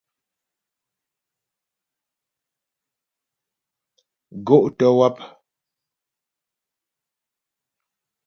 Gó' tə́ wáp.